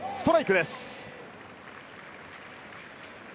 ストライクです。